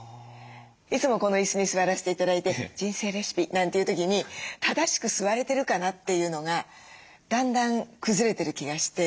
いつもこの椅子に座らせて頂いて「人生レシピ」なんていう時に正しく座れてるかなっていうのがだんだん崩れてる気がして。